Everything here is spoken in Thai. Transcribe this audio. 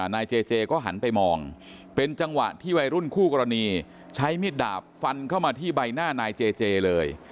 นายเจเจก็หันไปมองเป็นจังหวะที่วัยรุ่นคู่กรณีใช้มีดดาบฟันเข้ามาที่ใบหน้านายเจเจเลย